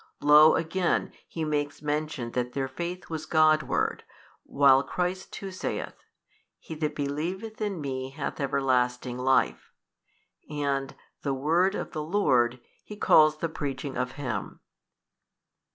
Lo again he makes mention that their faith was Godward, while Christ too saith, He that believeth in Me hath everlasting Life: and the word of the Lord he calls the preaching of Him.